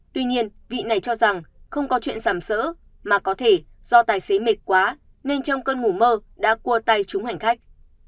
tuy nhiên vị này cho rằng không có chuyện giảm sỡ mà có thể do tài xế mệt quá nên trong cơn ngủ mơ đã cua tay chúng hành khách